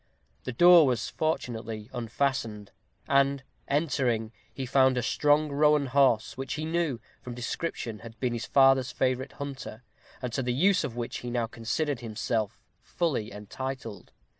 The door was fortunately unfastened; and, entering, he found a strong roan horse, which he knew, from description, had been his father's favorite hunter, and to the use of which he now considered himself fully entitled.